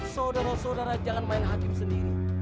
saudara saudara jangan main hakim sendiri